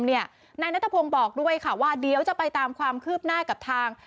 นายนัทพงศ์บอกด้วยค่ะว่าเดี๋ยวจะไปตามความคืบหน้ากับทาง